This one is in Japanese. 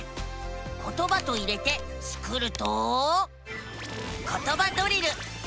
「ことば」と入れてスクると「ことばドリル」。